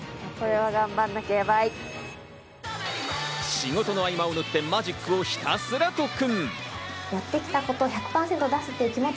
仕事の合間を縫ってマジックをひたすら特訓。